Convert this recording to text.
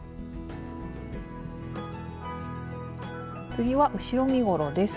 次は後ろ身ごろです。